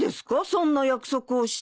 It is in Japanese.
そんな約束をして。